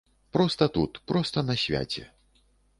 Проста тут, проста на свяце.